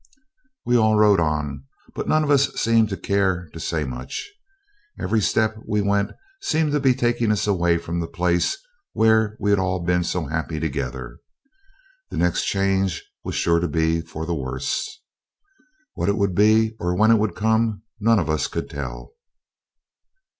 We all rode on, but none of us seemed to care to say much. Every step we went seemed to be taking us away from the place where we'd all been so happy together. The next change was sure to be for the worse. What it would be, or when it would come, we none of us could tell.